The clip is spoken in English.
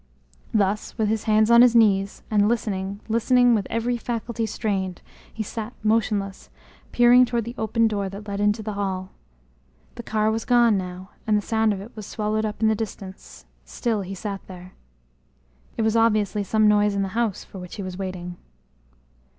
Thus, with his hands on his knees, and listening, listening with every faculty strained, he sat motionless, peering toward the open door that led into the hall. The car was gone now, the sound of it was swallowed up in the distance, still he sat there. It was obviously some noise in the house for which he was waiting.